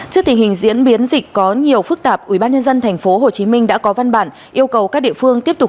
trước tình hình diễn biến dịch có nhiều phức tạp ubnd tp hcm đã có văn bản yêu cầu các địa phương tiếp tục